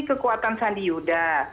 kekuatan sandi yuda